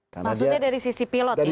maksudnya dari sisi pilot ya